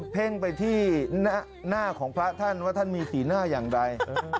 เพ่งไปที่หน้าของพระท่านว่าท่านมีสีหน้าอย่างใด